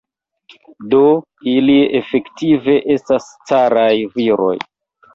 Do ili efektive estas caraj viroj.